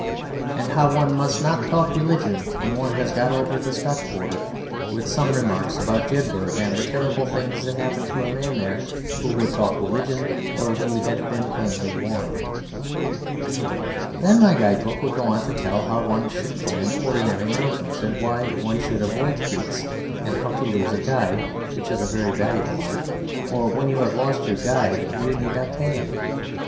And how one must not talk religion when one has got over the Scotch border, with some remarks about Jedburgh, and the terrible things that happened to a man there who would talk religion though he had been plainly warned. Then my guide book would go on to tell how one should climb ordinary mountains, and why one should avoid feats; and how to lose a guide which is a very valuable art, for when you have lost your guide you need not pay him.